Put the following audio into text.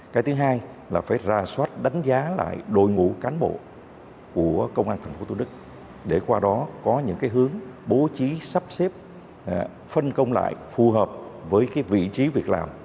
cái thứ hai là phải ra soát đánh giá lại đội ngũ cán bộ của công an tp thủ đức để qua đó có những cái hướng bố trí sắp xếp phân công lại phù hợp với vị trí việc làm